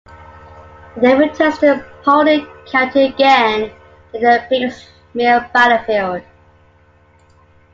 It then returns to Paulding County again near the Pickett's Mill Battlefield.